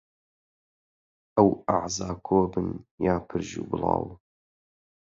ئەو ئەعزا کۆبن یا پرژ و بڵاو